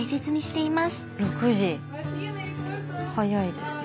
早いですね。